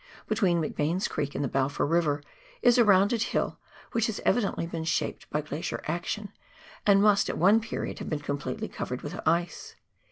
Between McBain's Creek and the Balfour River is a rounded hill which has evidently been shaped by glacier action, and must at one period have been completely covered with ice.